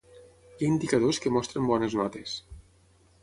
Hi ha indicadors que mostren bones notes.